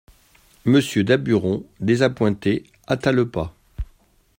Monsieur Daburon, désappointé, hâta le pas.